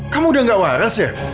kamu udah gak waras ya